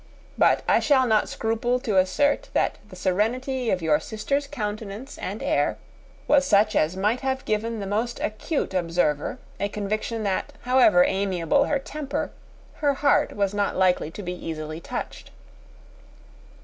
But I shall not scruple to assert, that the serenity of your sister's countenance and air was such as might have given the most acute observer a conviction that, however amiable her temper, her heart was not likely to be easily touched.